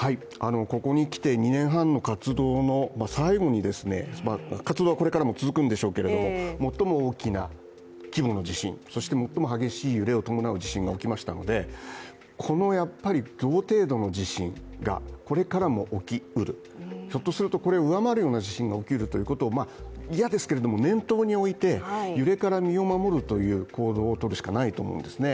ここにきて２年半の活動の最後に、活動はこれからも続くんでしょうけど、最も大きな規模の地震、そして最も激しい揺れを伴う地震が来ましたので同程度の地震がこれからも起きうる、ひょっとすると、これを上回るような地震が来るかもしれないと、嫌ですけども、念頭に置いて、揺れから身を守るという行動をとるしかないんですね。